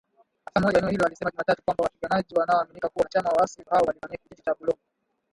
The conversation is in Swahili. Afisa mmoja wa eneo hilo alisema Jumatatu kwamba wapiganaji wanaoaminika kuwa wanachama wa waasi hao walivamia kijiji cha Bulongo